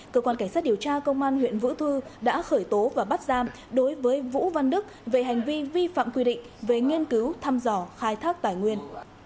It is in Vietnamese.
cơ quan cảnh sát điều tra công an huyện vũ thư đã khởi tố và bắt giam đối với vũ văn đức về hành vi vi phạm quy định về nghiên cứu thăm dò khai thác tài nguyên